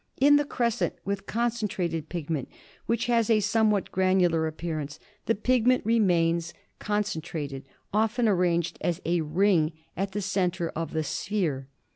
In the crescent with concentrated pigment, which has a some what granular appearance, the pigment remains con centrated, often arranged as a ring at the centre of the sphere.